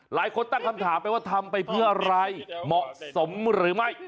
หลายคนตั้งคำถามไปว่าทำไปเพื่ออะไรเหมาะสมหรือไม่